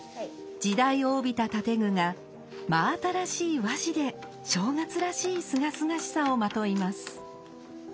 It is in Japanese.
時代を帯びた建具が真新しい和紙で正月らしいすがすがしさをまといます。